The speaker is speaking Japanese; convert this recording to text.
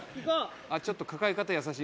「ちょっと抱え方優しい。